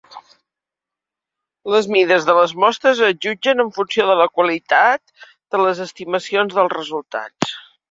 Les mides de les mostres es jutgen en funció de la qualitat de les estimacions dels resultats.